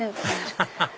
アハハハ